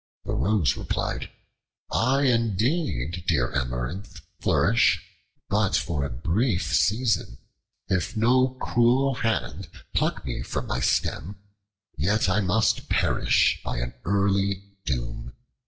The Rose replied, "I indeed, dear Amaranth, flourish but for a brief season! If no cruel hand pluck me from my stem, yet I must perish by an early doom.